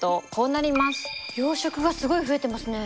養殖がすごい増えてますね。